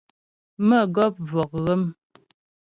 Mə̌gɔp vɔk ghə́m.